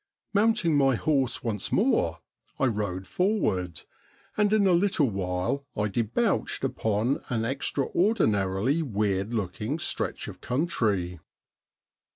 Mounting my horse once more I rode forward, and in a little while I debouched upon an extraordinarily weird looking stretch of country.